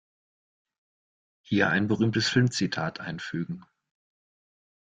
Hier ein berühmtes Filmzitat einfügen.